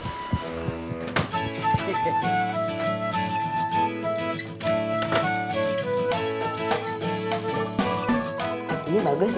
seperti jadi psycholog